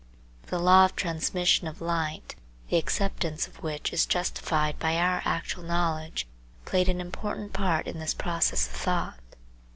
The law of transmission of light, the acceptance of which is justified by our actual knowledge, played an important part in this process of thought.